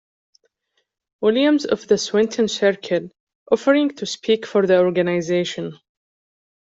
Williams of the Swinton Circle offering to speak for the organisation.